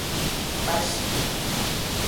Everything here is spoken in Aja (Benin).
Kpashi.